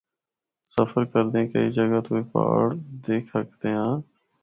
سفر کردیاں کئی جگہ تو اے پہاڑ دکھ ہکدے ہاں۔